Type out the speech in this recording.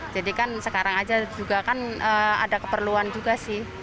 jadi kan sekarang aja juga kan ada keperluan juga sih